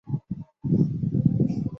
田浦站横须贺线的铁路车站。